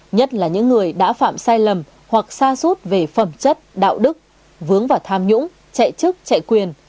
nhất là những người đã phạm sai lầm hoặc xa suốt về phẩm chất đạo đức vướng vào tham nhũng chạy chức chạy quyền